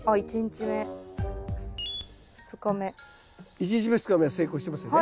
１日目２日目は成功してますよね。